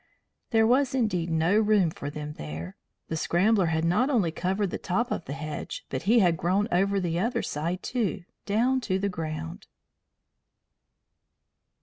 There was indeed no room for them there. The Scrambler had not only covered the top of the hedge, but had grown over the other side too, down to the ground.